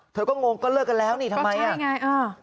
เธอก็งงก็เลิกกันแล้วทำไม